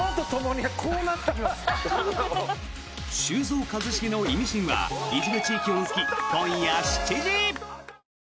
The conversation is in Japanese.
「修造＆一茂のイミシン」は一部地域を除き、今夜７時。